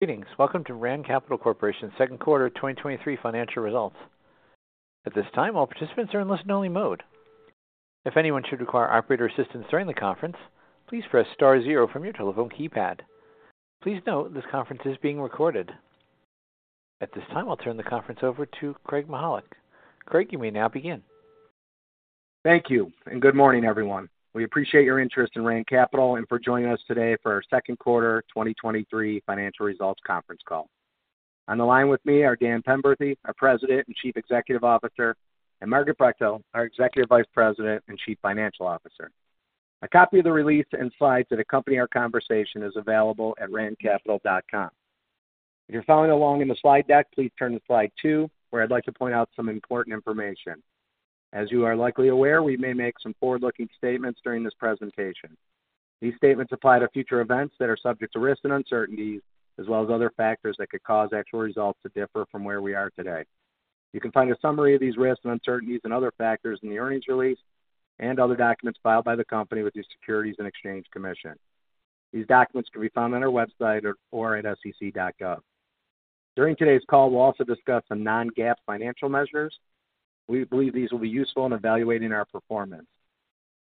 Greetings. Welcome to Rand Capital Corporation's second quarter of 2023 financial results. At this time, all participants are in listen-only mode. If anyone should require operator assistance during the conference, please press star zero from your telephone keypad. Please note, this conference is being recorded. At this time, I'll turn the conference over to Craig Mychajluk. Craig, you may now begin. Thank you. Good morning, everyone. We appreciate your interest in Rand Capital and for joining us today for our second quarter 2023 financial results conference call. On the line with me are Dan Penberthy, our President and Chief Executive Officer, and Margaret Brechtel, our Executive Vice President and Chief Financial Officer. A copy of the release and slides that accompany our conversation is available at randcapital.com. If you're following along in the slide deck, please turn to slide two, where I'd like to point out some important information. As you are likely aware, we may make some forward-looking statements during this presentation. These statements apply to future events that are subject to risks and uncertainties, as well as other factors that could cause actual results to differ from where we are today. You can find a summary of these risks and uncertainties and other factors in the earnings release and other documents filed by the company with the Securities and Exchange Commission. These documents can be found on our website or at sec.gov. During today's call, we'll also discuss some non-GAAP financial measures. We believe these will be useful in evaluating our performance.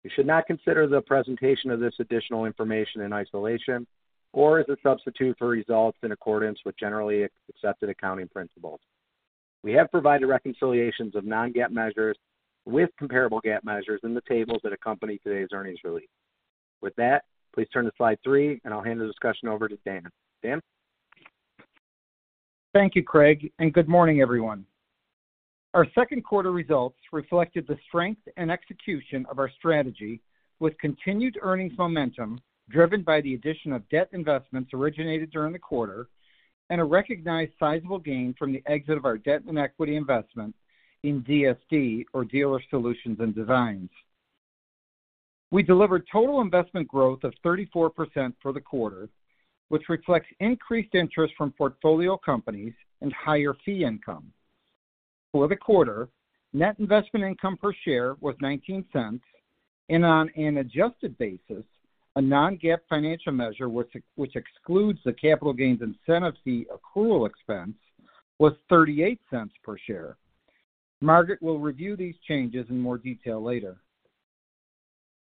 You should not consider the presentation of this additional information in isolation or as a substitute for results in accordance with generally accepted accounting principles. We have provided reconciliations of non-GAAP measures with comparable GAAP measures in the tables that accompany today's earnings release. With that, please turn to slide three, and I'll hand the discussion over to Dan. Dan? Thank you, Craig. Good morning, everyone. Our second quarter results reflected the strength and execution of our strategy with continued earnings momentum, driven by the addition of debt investments originated during the quarter and a recognized sizable gain from the exit of our debt and equity investment in DSD or Dealer Solutions & Design. We delivered total investment growth of 34% for the quarter, which reflects increased interest from portfolio companies and higher fee income. For the quarter, net investment income per share was $0.19, and on an adjusted basis, a non-GAAP financial measure, which excludes the capital gains incentive fee accrual expense, was $0.38 per share. Margaret will review these changes in more detail later.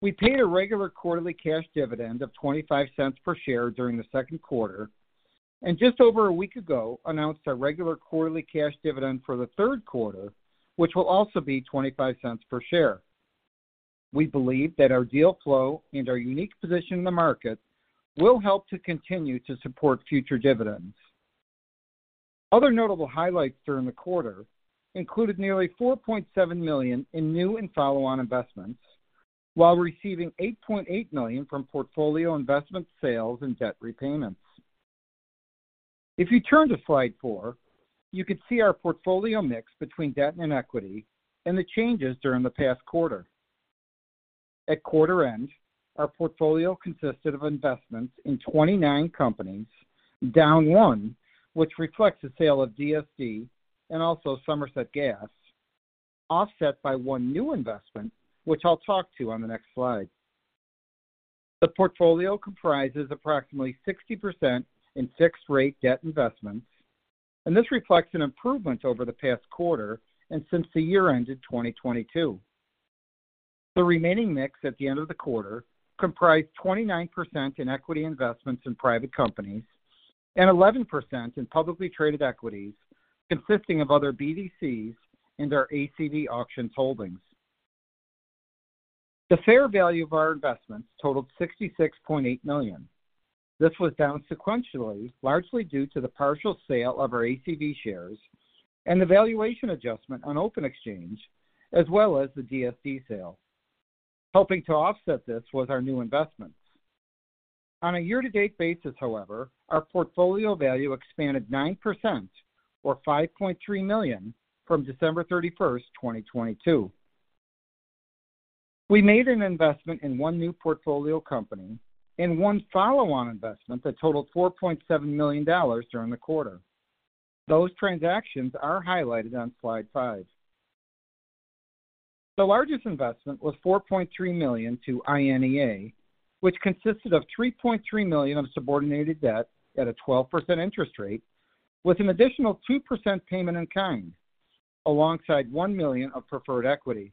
We paid a regular quarterly cash dividend of $0.25 per share during the second quarter. Just over a week ago, announced our regular quarterly cash dividend for the third quarter, which will also be $0.25 per share. We believe that our deal flow and our unique position in the market will help to continue to support future dividends. Other notable highlights during the quarter included nearly $4.7 million in new and follow-on investments, while receiving $8.8 million from portfolio investment sales and debt repayments. If you turn to slide four, you can see our portfolio mix between debt and equity and the changes during the past quarter. At quarter-end, our portfolio consisted of investments in 29 companies, down one, which reflects the sale of DSD and also Somerset Gas, offset by one new investment, which I'll talk to on the next slide. The portfolio comprises approximately 60% in fixed-rate debt investments, and this reflects an improvement over the past quarter and since the year-end in 2022. The remaining mix at the end of the quarter comprised 29% in equity investments in private companies and 11% in publicly traded equities, consisting of other BDCs and our ACV Auctions holdings. The fair value of our investments totaled $66.8 million. This was down sequentially, largely due to the partial sale of our ACV shares and the valuation adjustment on OpenExchange, as well as the DSD sale. Helping to offset this was our new investments. On a year-to-date basis, however, our portfolio value expanded 9%, or $5.3 million, from December 31st, 2022. We made an investment in one new portfolio company and one follow-on investment that totaled $4.7 million during the quarter. Those transactions are highlighted on slide five. The largest investment was $4.3 million to INEA, which consisted of $3.3 million of subordinated debt at a 12% interest rate, with an additional 2% payment in kind, alongside $1 million of preferred equity.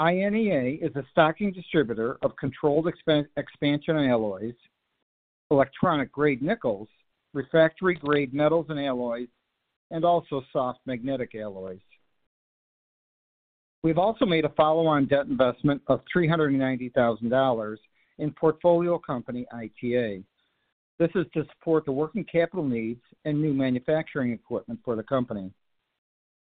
INEA is a stocking distributor of controlled expansion alloys, electronic-grade nickels, refractory-grade metals and alloys, and also soft magnetic alloys. We've also made a follow-on debt investment of $390,000 in portfolio company ITA. This is to support the working capital needs and new manufacturing equipment for the company.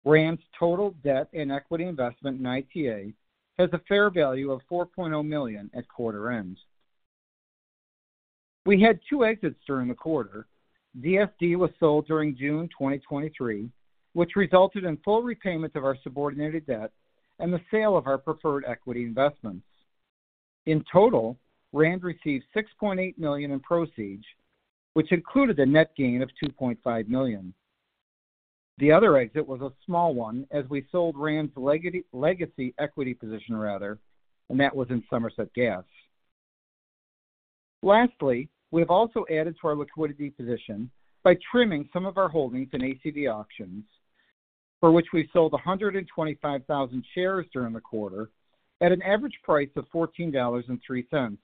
RAND's total debt and equity investment in ITA has a fair value of $4.0 million at quarter-end. We had two exits during the quarter. DSD was sold during June 2023, which resulted in full repayment of our subordinated debt and the sale of our preferred equity investments. In total, Rand received $6.8 million in proceeds, which included a net gain of $2.5 million. The other exit was a small one, as we sold Rand's legacy, legacy equity position, rather, and that was in Somerset Gas. Lastly, we have also added to our liquidity position by trimming some of our holdings in ACV Auctions, for which we sold 125,000 shares during the quarter at an average price of $14.03.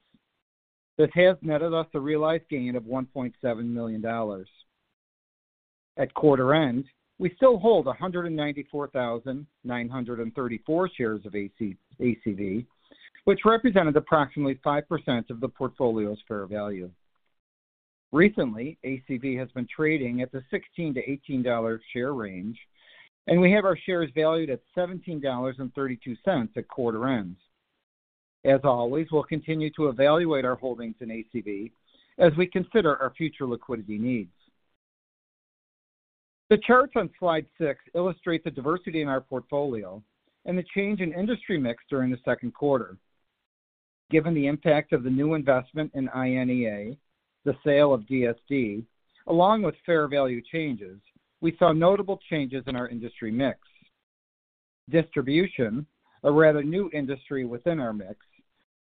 This has netted us a realized gain of $1.7 million. At quarter-end, we still hold 194,934 shares of ACV, which represented approximately 5% of the portfolio's fair value. Recently, ACV has been trading at the $16-$18 share range. We have our shares valued at $17.32 at quarter-end. As always, we'll continue to evaluate our holdings in ACV as we consider our future liquidity needs. The charts on slide six illustrate the diversity in our portfolio and the change in industry mix during the second quarter. Given the impact of the new investment in INEA, the sale of DSD, along with fair value changes, we saw notable changes in our industry mix. Distribution, a rather new industry within our mix,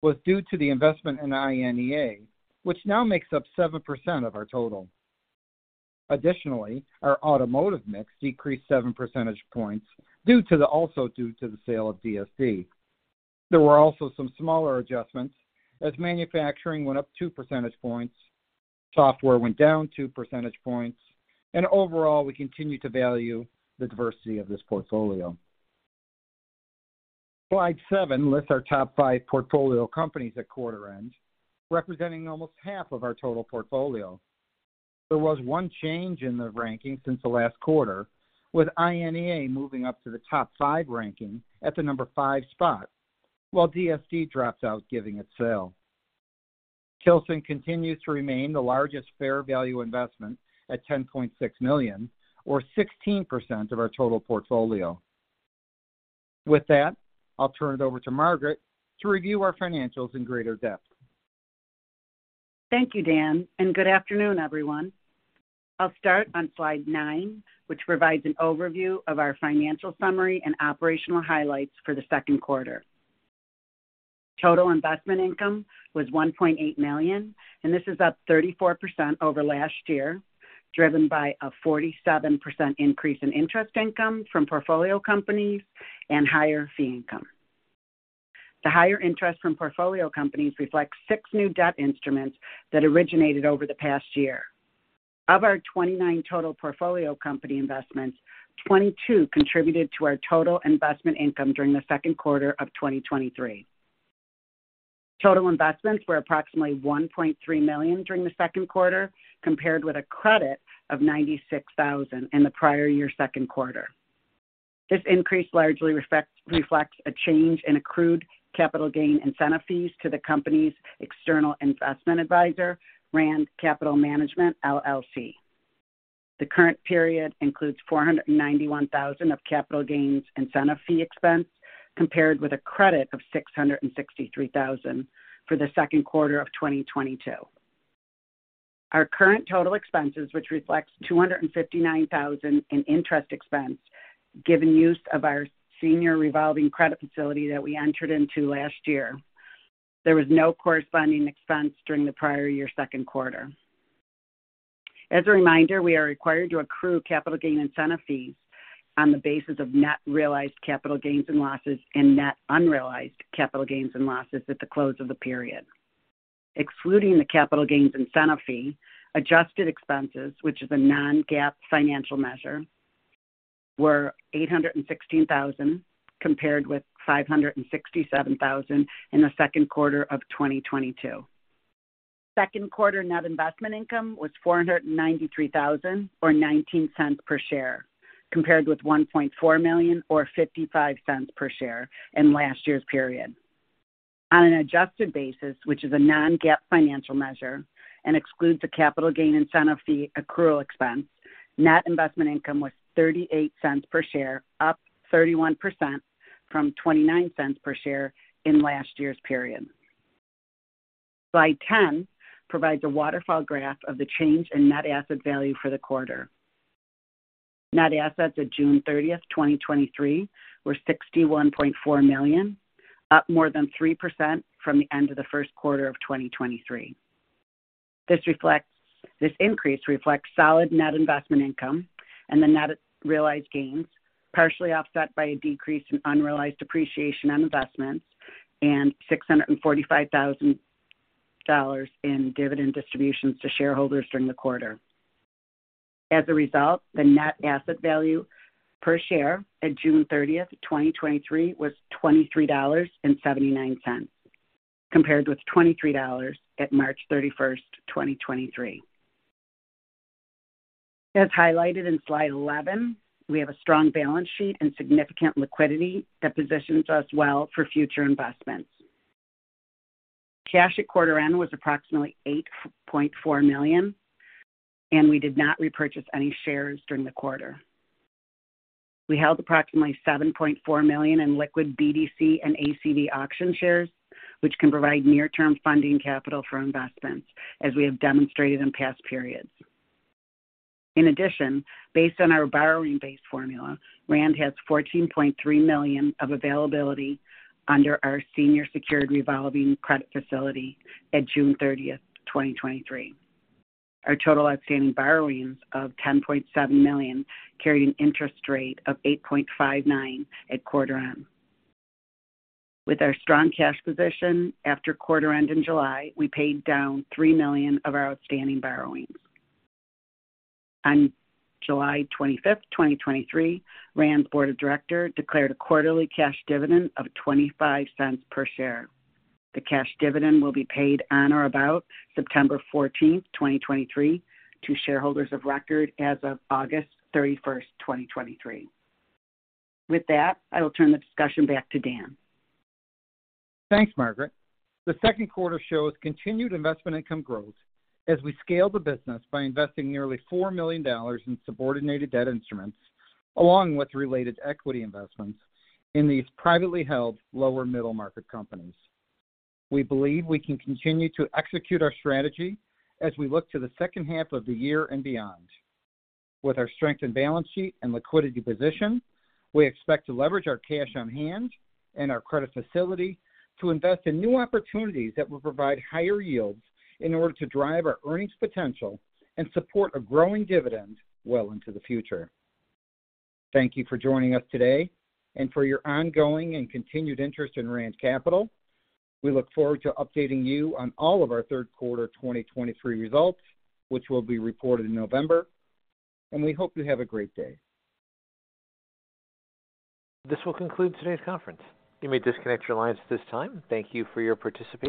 was due to the investment in INEA, which now makes up 7% of our total. Additionally, our automotive mix decreased 7 percentage points, also due to the sale of DSD. There were also some smaller adjustments, as manufacturing went up 2 percentage points, software went down 2 percentage points, and overall, we continue to value the diversity of this portfolio. Slide seven lists our top five portfolio companies at quarter-end, representing almost half of our total portfolio. There was one change in the ranking since the last quarter, with INEA moving up to the top five ranking at the number five spot, while DSD drops out, given its sale. Tilson continues to remain the largest fair value investment at $10.6 million, or 16% of our total portfolio. With that, I'll turn it over to Margaret to review our financials in greater depth. Thank you, Dan. Good afternoon, everyone. I'll start on slide nine, which provides an overview of our financial summary and operational highlights for the second quarter. Total investment income was $1.8 million, and this is up 34% over last year, driven by a 47% increase in interest income from portfolio companies and higher fee income. The higher interest from portfolio companies reflects six new debt instruments that originated over the past year. Of our 29 total portfolio company investments, 22 contributed to our total investment income during the second quarter of 2023. Total investments were approximately $1.3 million during the second quarter, compared with a credit of $96,000 in the prior year's second quarter. This increase largely reflects a change in accrued capital gain incentive fees to the company's external investment advisor, Rand Capital Management, LLC. The current period includes $491,000 of capital gains incentive fee expense, compared with a credit of $663,000 for the second quarter of 2022. Our current total expenses, which reflect $259,000 in interest expense, given use of our senior revolving credit facility that we entered into last year. There was no corresponding expense during the prior year's second quarter. As a reminder, we are required to accrue capital gains incentive fees on the basis of net realized capital gains and losses and net unrealized capital gains and losses at the close of the period. Excluding the capital gains incentive fee, adjusted expenses, which is a non-GAAP financial measure, were $816,000, compared with $567,000 in the second quarter of 2022. Second quarter net investment income was $493,000, or $0.19 per share, compared with $1.4 million, or $0.55 per share, in last year's period. On an adjusted basis, which is a non-GAAP financial measure and excludes the capital gain incentive fee accrual expense, net investment income was $0.38 per share, up 31% from $0.29 per share in last year's period. Slide 10 provides a waterfall graph of the change in net asset value for the quarter. Net assets at June 30, 2023, were $61.4 million, up more than 3% from the end of the first quarter of 2023. This increase reflects solid net investment income and the net realized gains, partially offset by a decrease in unrealized appreciation on investments and $645,000 in dividend distributions to shareholders during the quarter. As a result, the net asset value per share at June 30, 2023, was $23.79, compared with $23 at March 31, 2023. As highlighted in Slide 11, we have a strong balance sheet and significant liquidity that positions us well for future investments. Cash at quarter-end was approximately $8.4 million. We did not repurchase any shares during the quarter. We held approximately $7.4 million in liquid BDC and ACV auction shares, which can provide near-term funding capital for investments, as we have demonstrated in past periods. Based on our borrowing base formula, RAND has $14.3 million of availability under our senior secured revolving credit facility at June 30, 2023. Our total outstanding borrowings of $10.7 million carry an interest rate of 8.59% at quarter-end. With our strong cash position after quarter-end in July, we paid down $3 million of our outstanding borrowings. On July 25, 2023, RAND's board of directors declared a quarterly cash dividend of $0.25 per share. The cash dividend will be paid on or about September 14, 2023, to shareholders of record as of August 31, 2023. With that, I will turn the discussion back to Dan. Thanks, Margaret. The second quarter shows continued investment income growth as we scale the business by investing nearly $4 million in subordinated debt instruments, along with related equity investments in these privately held lower middle-market companies. We believe we can continue to execute our strategy as we look to the second half of the year and beyond. With our strength, and balance sheet, and liquidity position, we expect to leverage our cash on hand and our credit facility to invest in new opportunities that will provide higher yields in order to drive our earnings potential and support a growing dividend well into the future. Thank you for joining us today and for your ongoing and continued interest in Rand Capital. We look forward to updating you on all of our third quarter 2023 results, which will be reported in November, and we hope you have a great day. This will conclude today's conference. You may disconnect your lines at this time. Thank you for your participation.